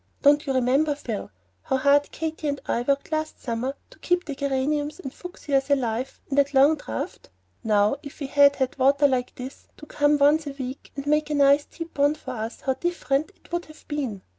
Don't you remember, Phil, how hard Katy and I worked last summer to keep the geraniums and fuschias alive in that long drought? Now, if we had had water like this to come once a week, and make a nice deep pond for us, how different it would have been!"